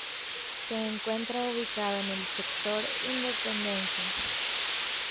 Se encuentra ubicado en el Sector "Independencia".